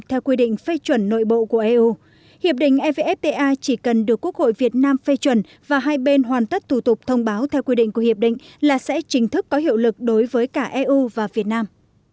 theo quy định phê chuẩn nội bộ của eu hiệp định evfta chỉ cần được quốc hội việt nam phê chuẩn và hai bên hoàn tất thủ tục thông báo theo quy định của hiệp định là sẽ chính thức có hiệu lực đối với cả eu và việt nam